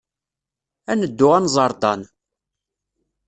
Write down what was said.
Ad neddu ad nẓer Dan.